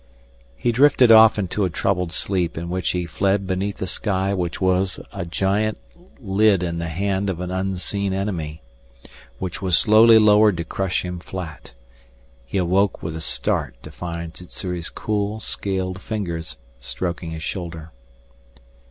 He drifted off into a troubled sleep in which he fled beneath a sky which was a giant lid in the hand of an unseen enemy, a lid which was slowly lowered to crush him flat. He awoke with a start to find Sssuri's cool, scaled fingers stroking his shoulder.